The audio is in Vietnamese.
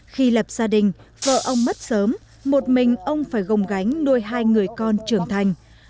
khi lập gia đình vợ ông mất sớm một mình ông phải gồng gánh nuôi hai người con trưởng thành